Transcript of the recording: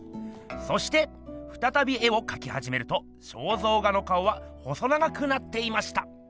そしてふたたび絵をかきはじめると肖像画の顔は細長くなっていました。